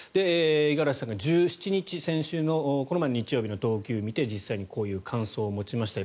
五十嵐さんが１７日この前の日曜日の投球を見て実際にこういう感想を持ちました。